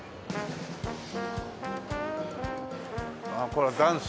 ああこれはダンス。